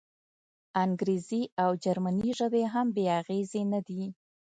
انګریزي او جرمني ژبې هم بې اغېزې نه دي.